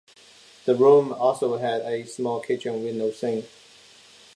The room also had a small kitchen with no sink.